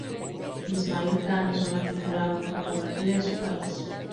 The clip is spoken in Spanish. Ismail Khan es una figura muy controvertida en su país.